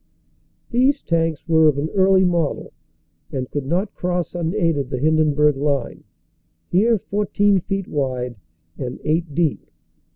These tanks were of an early model, and could not cross un aided the Hindenburg line, here 14 feet wide and eight deep.